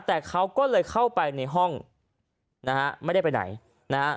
แต่เขาก็เลยเข้าไปในห้องนะฮะไม่ได้ไปไหนนะฮะ